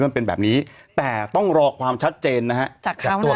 มันเป็นแบบนี้แต่ต้องรอความชัดเจนนะฮะจากตัว